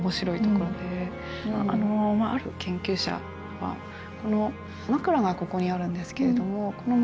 ある研究者は枕がここにあるんですけれども。